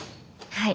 はい。